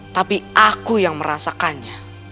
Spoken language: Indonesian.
tapi aku yang merasakannya